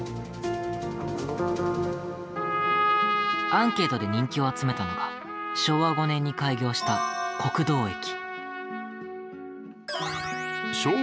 アンケートで人気を集めたのが昭和５年に開業した国道駅。